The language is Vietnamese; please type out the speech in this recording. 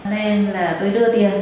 nên là tôi đưa tiền